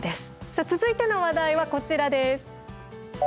さあ、続いての話題はこちらです。